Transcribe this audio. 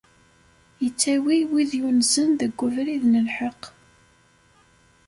Ittawi wid yunzen deg ubrid n lḥeqq.